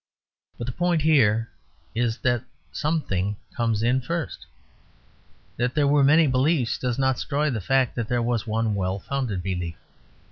But the point here is that something comes in first. That there were many beliefs does not destroy the fact that there was one well founded belief.